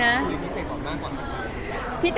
คุยคุย